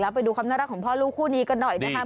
ไปดูความน่ารักของพ่อลูกคู่นี้กันหน่อยนะคะ